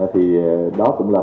thì đó cũng là